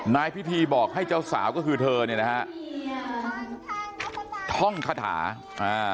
นายพิธีบอกให้เจ้าสาวก็คือเธอเนี่ยนะฮะท่องคาถาอ่า